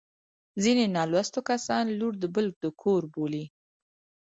ځیني نالوستي کسان لور د بل د کور بولي